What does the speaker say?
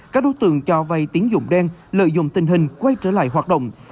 các đối tượng cho vay tiến dụng đen lợi dụng tình hình quay trở lại hoạt động